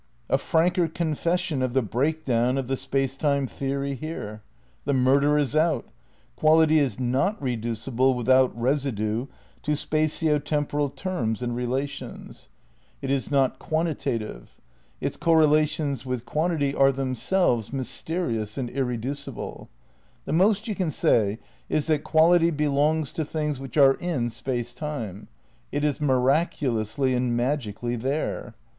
A franker con fession of the break down of the Space Time theory here? The murder is out. Quality is not reducible without residue to spatio temporal terms and relations. ^ Space, Time and Deity, Vol. I, p. 321. "The same, p. 327. 192 THE NEW IDEALISM v It is not quantitative. Its correlations with quantity are themselves mysterious and irreducible. The most you can say is that quality belongs to things which are in Space Time. It is miraculously and magically '' there.